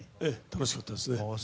楽しかったですね。